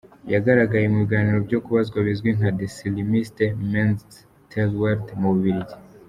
Yanagaragaye mu biganiro byo kubaza bizwi nka "De Slimste Mens ter Wereld" mu Bubiligi.